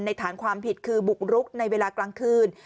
ฐานความผิดคือบุกรุกในเวลากลางคืน